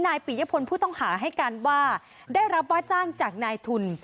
ปียพลผู้ต้องหาให้การว่าได้รับว่าจ้างจากนายทุน